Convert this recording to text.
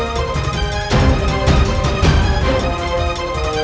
apa yang mereka lakukan di sana